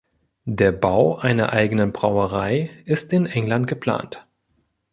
Der Bau einer eigenen Brauerei ist in England geplant.